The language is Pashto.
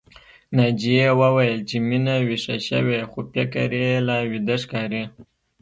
ناجيې وويل چې مينه ويښه شوې خو فکر يې لا ويده ښکاري